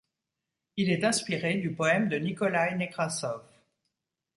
Il est inspiré du poème de Nikolaï Nekrassov.